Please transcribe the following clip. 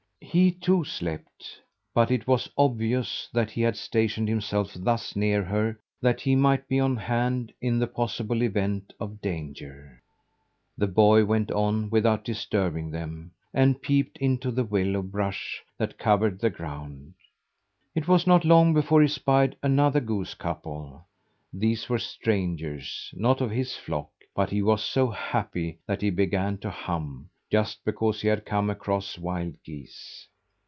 He too, slept, but it was obvious that he had stationed himself thus near her that he might be on hand in the possible event of danger. The boy went on without disturbing them and peeped into the willow brush that covered the ground. It was not long before he spied another goose couple. These were strangers, not of his flock, but he was so happy that he began to hum just because he had come across wild geese.